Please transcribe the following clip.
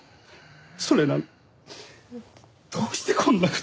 それがどうしてこんな事に。